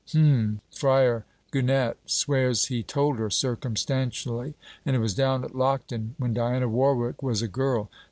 h'm... Fryar Gannett. Swears he told her, circumstantially; and it was down at Lockton, when Diana Warwick was a girl.